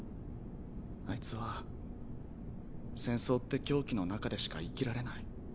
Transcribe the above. あいつは戦争って狂気のなかでしか生きられない。